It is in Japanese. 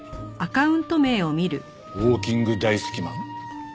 「ウォーキング大好きマン」？